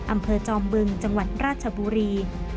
จอมบึงจังหวัดราชบุรี